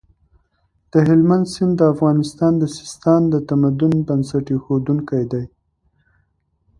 د هلمند سیند د افغانستان د سیستان د تمدن بنسټ اېښودونکی دی.